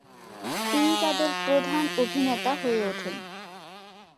তিনি তাদের প্রধান অভিনেতা হয়ে ওঠেন।